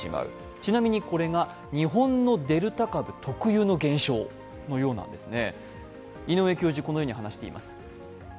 ちなみにこれが日本のデルタ株特有の現象のようなんですね。